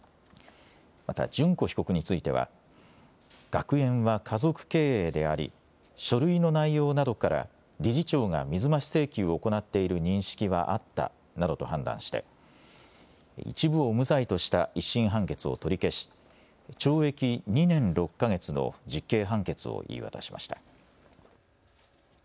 また諄子被告については学園は家族経営であり書類の内容などから理事長が水増し請求を行っている認識はあったなどと判断して一部を無罪とした１審判決を取り消し懲役２年６か月の実刑判決を言い渡しました。